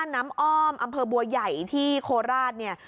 น้ำอ้อมอำเภอบัวใหญ่ที่โคราชเนี่ย